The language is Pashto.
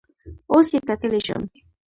اوس یې کتلی شم؟